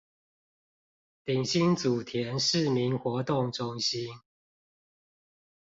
頂新祖田市民活動中心